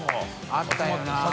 あったよな。